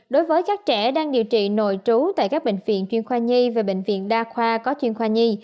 đối với các trẻ đang điều trị nội trú tại các bệnh viện chuyên khoa nhi và bệnh viện đa khoa có chuyên khoa nhi